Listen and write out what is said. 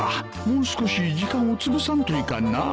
もう少し時間をつぶさんといかんな